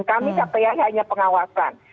kami kata ya hanya pengawasan